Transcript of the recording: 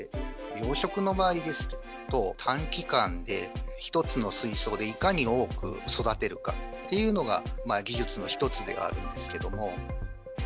養殖の場合ですと、短期間で１つの水槽でいかに多く育てるかっていうのが、技術の一つであるんですけども。